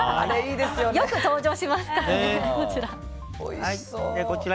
よく登場しますからね、こちら。